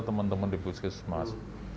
teman teman di puskesmas